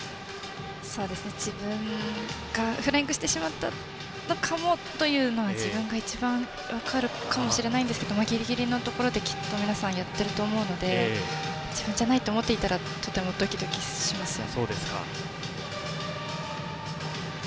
自分がフライングをしてしまったのかもというのは自分が一番分かるかもしれないんですがギリギリのところできっと皆さんやっていると思うので自分じゃないと思っていたらとてもドキドキしますよね。